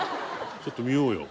ちょっと見ようよ。